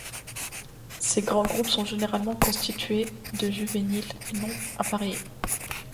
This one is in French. Ces grands groupes sont généralement constitués de juvéniles non appariés.